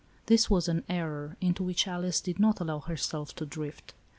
This was an error, into which Alice did not allow herself to drift.